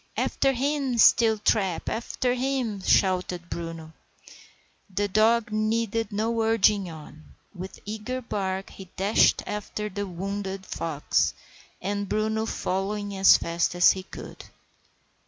"After him, Steeltrap, after him!" shouted Bruno. The dog needed no urging on. With eager bark he dashed after the wounded fox, Bruno following as fast as he could.